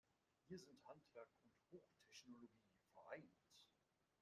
Hier sind Handwerk und Hochtechnologie vereint.